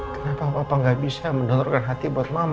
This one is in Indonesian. kenapa papa nggak bisa mendonorkan hati buat mama